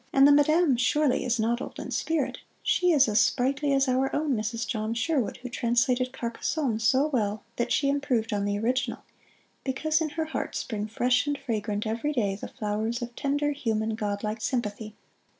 And the Madame surely is not old in spirit; she is as sprightly as our own Mrs. John Sherwood, who translated 'Carcassonne' so well that she improved on the original, because in her heart spring fresh and fragrant every day the flowers of tender, human, Godlike sympathy."